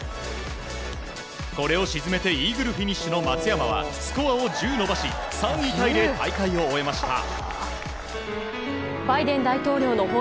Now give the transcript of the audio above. これを沈めてイーグルフィニッシュの松山はスコアを１０伸ばし３位タイで大会を終えました。